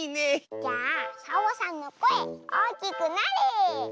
じゃあサボさんのこえおおきくなれ！